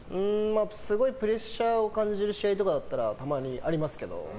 すごいプレッシャーを感じる試合とかだったらたまにありますけど。